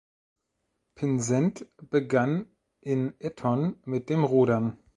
Pinsent begann in Eton mit dem Rudern.